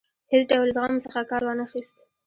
هیڅ ډول زغم څخه کار وانه خیست.